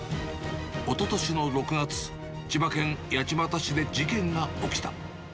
おととしの６月、千葉県八街市で事件が起きた。